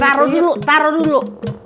taruh dulu taruh dulu